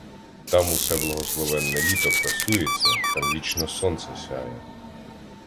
Там усе благословенне літо красується, там вічно сонце сяє.